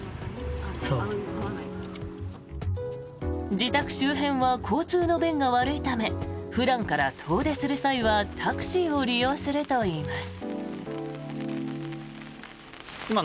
自宅周辺は交通の便が悪いため普段から遠出する際はタクシーを利用するといいます。